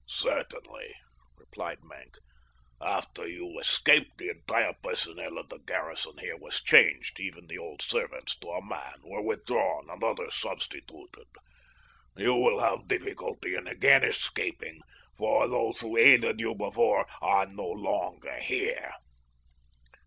"Certainly," replied Maenck. "After you escaped the entire personnel of the garrison here was changed, even the old servants to a man were withdrawn and others substituted. You will have difficulty in again escaping, for those who aided you before are no longer here."